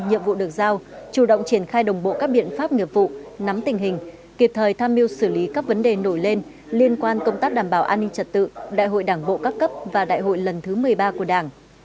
nhiệm vụ được giao chủ động triển khai đồng bộ các biện pháp nghiệp vụ nắm tình hình kịp thời tham mưu xử lý các vấn đề nổi lên liên quan công tác đảm bảo an ninh trật tự đại hội đảng bộ các cấp và đại hội lần thứ một mươi ba của đảng